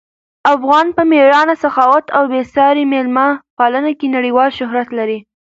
افغانان په مېړانه، سخاوت او بې ساري مېلمه پالنه کې نړیوال شهرت لري.